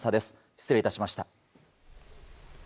失礼いたしました。